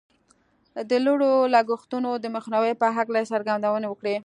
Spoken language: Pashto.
د لوړو لګښتونو د مخنیوي په هکله یې څرګندونې وکړې